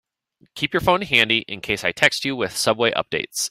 Keep your phone handy in case I text you with subway updates.